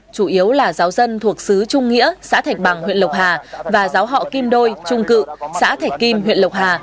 chủ yếu là giáo dân thuộc sứ trung nghĩa xã thạch bằng huyện lộc hà và giáo họ kim đôi trung cự xã thạch kim huyện lộc hà